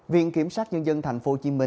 viện kiểm sát nhân dân tp hcm